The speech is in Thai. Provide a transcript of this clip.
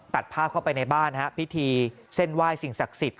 ตัดภาพเข้าไปในบ้านฮะพิธีเส้นไหว้สิ่งศักดิ์สิทธิ